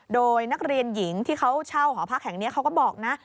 โดยนักเรียนหญิงที่เขาเช่าหอพักแห่งนี้เขาก็บอกนะ